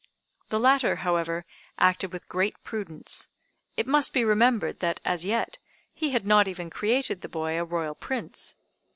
The latter, however, acted with great prudence. It must be remembered that, as yet, he had not even created the boy a Royal Prince.